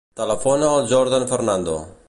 Telefona al Jordan Fernando.